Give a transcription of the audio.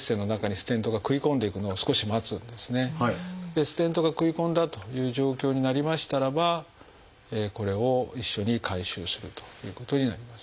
ステントが食い込んだという状況になりましたらばこれを一緒に回収するということになります。